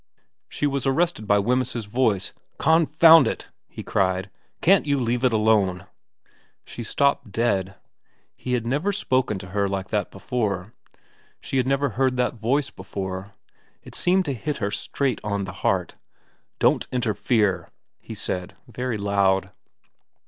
She was arrested byWemyss's voice. * Confound it !' he cried. ' Can't you leave it alone ?' She stopped dead. He had never spoken to her like that before. She had never heard that voice before. It seemed to hit her straight on the heart. ' Don't interfere,' he said, very loud.